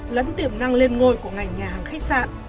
lẫn tiềm năng lên ngôi của ngành nhà hàng khách sạn